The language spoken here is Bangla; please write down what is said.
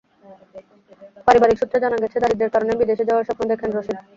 পারিবারিক সূত্রে জানা গেছে, দারিদ্র্যের কারণেই বিদেশে যাওয়ার স্বপ্ন দেখেন রশিদ।